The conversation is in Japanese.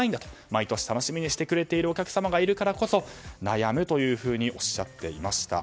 毎年楽しみにしてくれているお客様がいるからこそ悩むとおっしゃっていました。